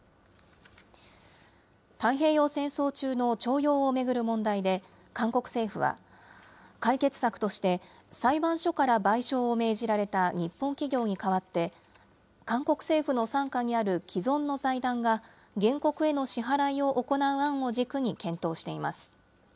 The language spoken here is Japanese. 太平洋戦争中の徴用を巡る問題で、韓国政府は、解決策として裁判所から賠償を命じられた日本企業に代わって、韓国政府の傘下にある既存の財団が、原告への支払いを行う案を軸に検討しています。